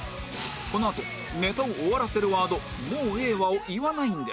このあとネタを終わらせるワード「もうええわ」を言わないんです